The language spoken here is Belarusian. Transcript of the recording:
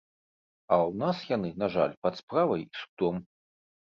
А ў нас яны, на жаль, пад справай і судом.